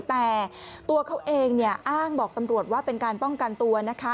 แต่ตัวเขาเองอ้างบอกตำรวจว่าเป็นการป้องกันตัวนะคะ